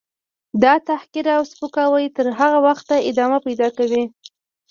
. دا تحقیر او سپکاوی تر هغه وخته ادامه پیدا کوي.